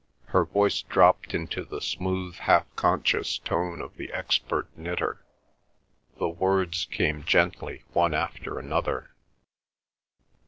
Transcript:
Her voice dropped into the smooth half conscious tone of the expert knitter; the words came gently one after another.